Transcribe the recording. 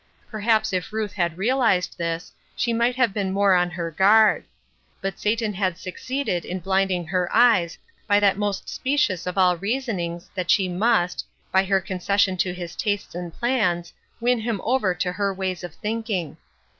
Per haps if Ruth had realized this, she might have been more on her guard. But Satan had suc ceeded in blinding her eyes by that most specious of all reasonings that she must, by her conces' 406 Ruth Erskine's Crosses, sion to his tastes and plans, win him over to hei ways of thinking.